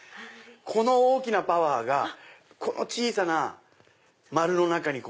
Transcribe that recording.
この大きなパワーがこの小さな丸の中に込められて。